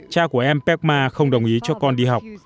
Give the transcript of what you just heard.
cha của em pekma không đồng ý cho con đi học